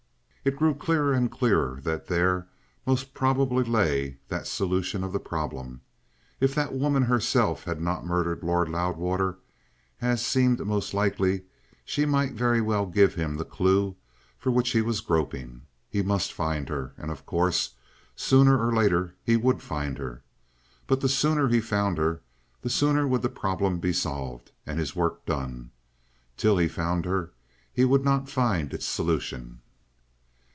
It grew clearer and clearer that there most probably lay that solution of the problem. If that woman herself had not murdered Lord Loudwater, as seemed most likely, she might very well give him the clue for which he was groping. He must find her, and, of course, sooner or later he would find her. But the sooner he found her, the sooner would the problem be solved and his work done. Till he found her he would not find its solution.